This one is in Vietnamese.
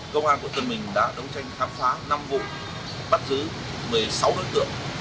công an quận tân bình đã đấu tranh khám phá năm vụ bắt giữ một mươi sáu đối tượng